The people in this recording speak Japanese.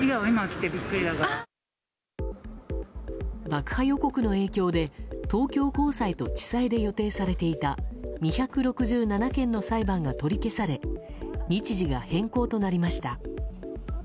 爆破予告の影響で東京高裁と地裁で予定されていた２６７件の裁判が取り消され日時が変更となりました。